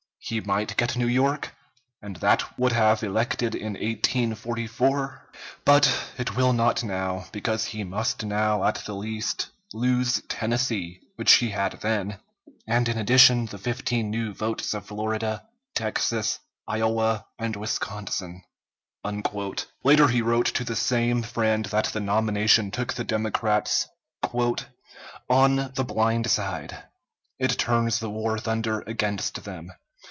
He might get New York, and that would have elected in 1844, but it will not now because he must now, at the least, lose Tennessee, which he had then, and in addition the fifteen new votes of Florida, Texas, Iowa, and Wisconsin." Later he wrote to the same friend that the nomination took the Democrats "on the blind side. It turns the war thunder against them.